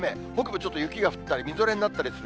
ちょっと雪が降ったり、みぞれになったりする。